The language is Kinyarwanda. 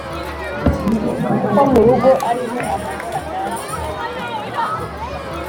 ko mu rugo ariho amahoro aganje*